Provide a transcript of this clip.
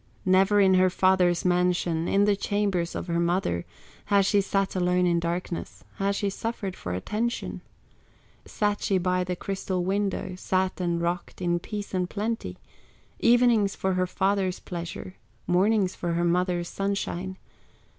Never in her father's mansion, In the chambers of her mother, Has she sat alone in darkness, Has she suffered for attention; Sat she by the crystal window, Sat and rocked, in peace and plenty, Evenings for her father's pleasure, Mornings for her mother's sunshine.